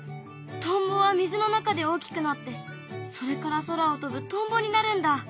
トンボは水の中で大きくなってそれから空を飛ぶトンボになるんだ。